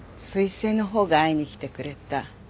彗星のほうが会いに来てくれた。